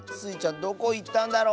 どこいったんだろう？